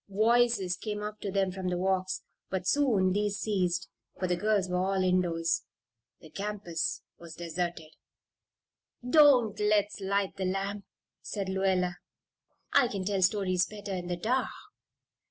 Voices came up to them from the walks; but soon these ceased, for the girls were all indoors. The campus was deserted. "Don't let's light the lamp," said Lluella. "I can tell stories better in the dark."